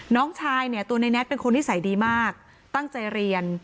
น้องชายเนี่ยตัวในแน็ตเป็นคนนิสัยดีมากตั้งใจเรียน